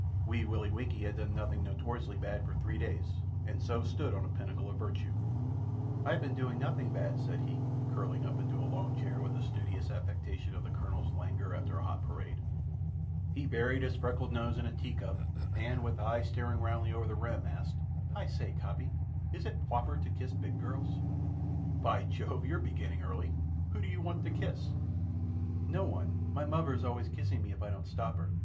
Wee Willie Winkie had done nothing notoriously bad for three days, and so stood on a pinnacle of virtue. "I've been doing nothing bad," said he, curling himself into a long chair with a studious affectation of the Colonel's languor after a hot parade. He buried his freckled nose in a tea cup and, with eyes staring roundly over the rim, asked: "I say, Coppy, is it pwoper to kiss big girls?" "By Jove! You're beginning early. Who do you want to kiss?" "No one. My muvver's always kissing me if I don't stop her.